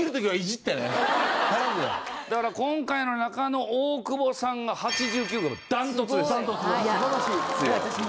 だから今回の中の大久保さんが８９断トツです。